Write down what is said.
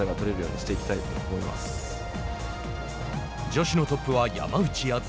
女子のトップは山内梓。